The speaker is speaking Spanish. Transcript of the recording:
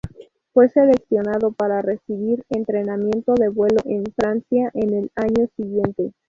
Fue seleccionado para recibir entrenamiento de vuelo en Francia en el año siguiente.